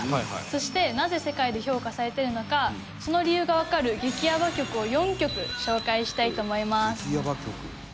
そしてなぜ世界で評価されてるのかその理由がわかる激ヤバ曲を４曲紹介したいと思います。